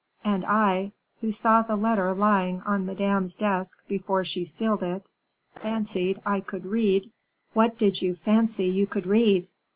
"And I, who saw the letter lying on Madame's desk before she sealed it, fancied I could read " "What did you fancy you could read?"